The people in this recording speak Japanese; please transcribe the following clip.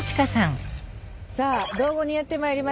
さあ道後にやってまいりました。